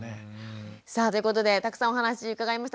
さあということでたくさんお話伺いました。